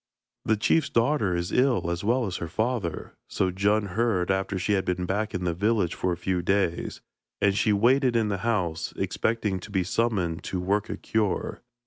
'The chief's daughter is ill as well as her father,' so Djun heard after she had been back in the village for a few days, and she waited in the house, expecting to be summoned to work a cure.